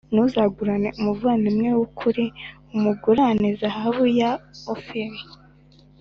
ntuzagurane umuvandimwe w’ukuri umugurane zahabu ya Ofiri